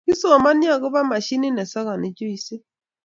kisomani akubo mashinit ne sokoni juisit